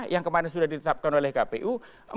yang kemarin sudah ditetapkan oleh kpu